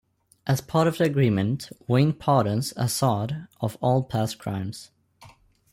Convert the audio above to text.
As part of the agreement, Wayne pardons Assad of all past crimes.